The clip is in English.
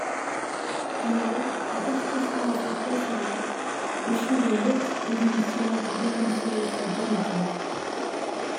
The Earl, Augustus Arthur Perceval, issued a writ against Lord Leconfield for damages.